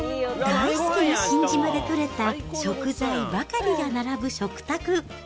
大好きな新島で取れた食材ばかりが並ぶ食卓。